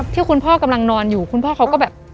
ที่คุณพ่อกำลังนอนอยู่คุณพ่อเขาก็แบบ